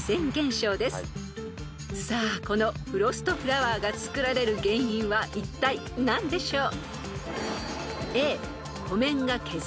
［さあこのフロストフラワーがつくられる原因はいったい何でしょう？］